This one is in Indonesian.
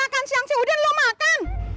tentu makan siang si udin lu makan